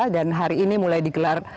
dan hari ini mulai digelar